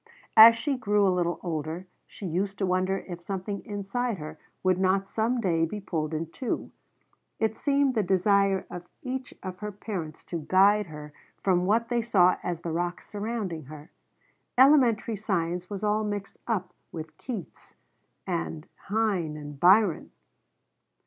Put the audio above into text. As she grew a little older she used to wonder if something inside her would not some day be pulled in two. It seemed the desire of each of her parents to guide her from what they saw as the rocks surrounding her. Elementary science was all mixed up with Keats and Heine and Byron.